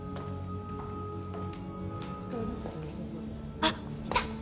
あっいた！